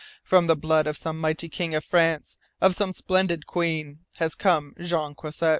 "From the blood of some mighty king of France of some splendid queen has come Jean Croisset.